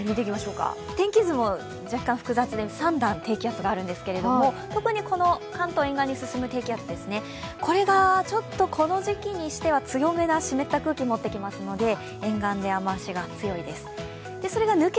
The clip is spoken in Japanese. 天気図も若干複雑で、３段低気圧があるんですけど特に関東沿岸に進む低気圧がこの時期にしては強めな湿った空気を持ってきますので沿岸で雨足が強いです。